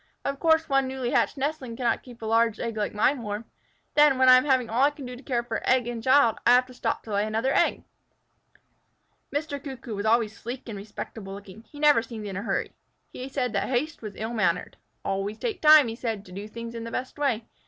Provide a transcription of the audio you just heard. Of course one newly hatched nestling cannot keep a large egg like mine warm. Then, when I am having all I can do to care for child and egg, I have to stop to lay another egg." Mr. Cuckoo was always sleek and respectable looking. He never seemed in a hurry. He said that haste was ill mannered. "Always take time," he said, "to do things in the best way.